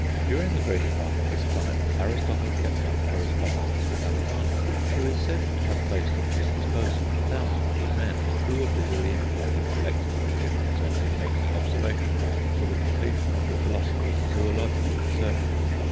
During the greater part of this time Aristotle kept up correspondence with Alexander, who is said to have placed at his disposal thousands of men, who were busily employed in collecting objects and in making observations for the completion of the philosopher's zoological researches.